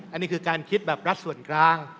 อันนี้คือการคิดแบบรัฐส่วนกลาง